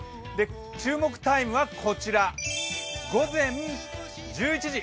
注目タイムはこちら、午前１１時。